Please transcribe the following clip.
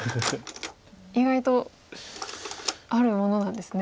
意外とあるものなんですね。